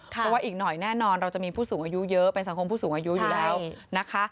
เพราะว่าอีกหน่อยแน่นอนเราจะมีผู้สูงอายุเยอะเป็นสังคมผู้สูงอายุอยู่แล้วนะคะ